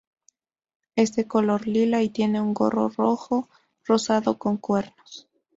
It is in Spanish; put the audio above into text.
Es de color lila y tiene un gorro rojo rosado con cuernos.